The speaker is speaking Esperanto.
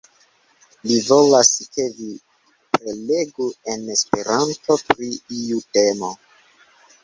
Li volas, ke vi prelegu en Esperanto pri iu temo.